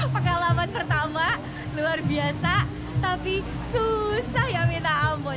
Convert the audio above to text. pengalaman pertama luar biasa tapi susah ya minta ampun